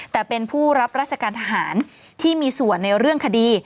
แต่เป็นผู้รับราชการทหารที่มีส่วนในเรื่องคดี